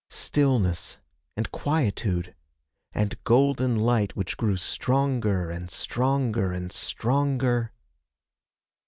Stillness, and quietude, and golden light which grew stronger and stronger and stronger....